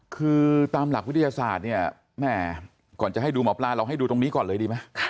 คือตามหลักวิทยาศาสตร์เนี่ยแม่ก่อนจะให้ดูหมอปลาเราให้ดูตรงนี้ก่อนเลยดีไหม